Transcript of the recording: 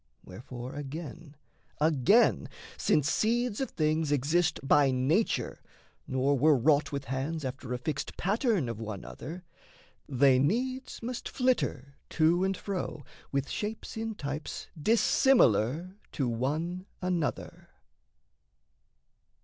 Wherefore again, again, since seeds of things Exist by nature, nor were wrought with hands After a fixed pattern of one other, They needs must flitter to and fro with shapes In types dissimilar to one another.